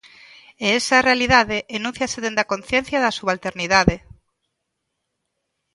E esa realidade enúnciase desde a conciencia da subalternidade.